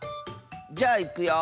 じゃあいくよ。